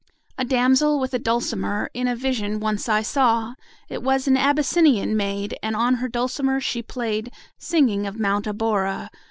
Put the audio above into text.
A damsel with a dulcimer In a vision once I saw: It was an Abyssinian maid, And on her dulcimer she play'd, 40 Singing of Mount Abora.